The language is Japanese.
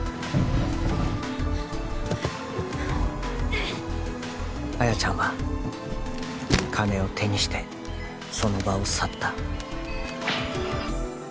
うんっ亜矢ちゃんは金を手にしてその場を去った